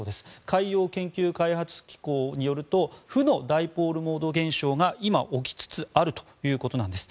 海洋研究開発機構によると負のダイポールモード現象が今、起きつつあるということです。